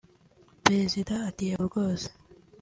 Perezida ati “Yego rwose